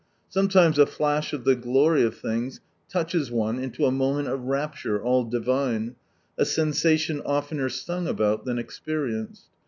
Sometimes a flash of the glory of things touches one into a moment of " rapture all Divine," (a sensation oftener sung about than experienced